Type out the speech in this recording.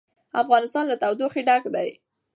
افغانستان له تودوخه ډک دی.